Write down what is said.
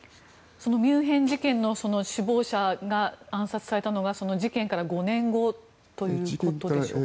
ミュンヘン事件の首謀者が暗殺されたのはその事件から５年後ということでしょうか。